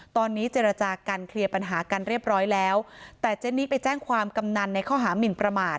ตอนนี้เจรจากันเคลียร์ปัญหากันเรียบร้อยแล้วแต่เจนนี้ไปแจ้งความกำนันในข้อหามินประมาท